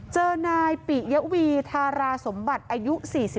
เจอนายปิยวีธาราสมบัติอายุ๔๒